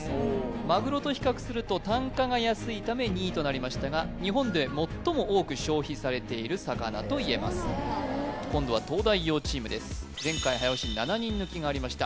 まぐろと比較すると単価が安いため２位となりましたが日本で最も多く消費されている魚といえます今度は東大王チームです